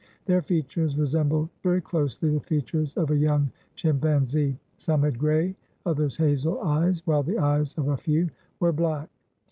Their features re sembled very closely the features of a young chimpan zee. Some had gray, others hazel eyes, while the eyes of a few were black.